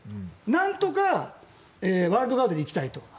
何とかワイルドカードで行きたいと。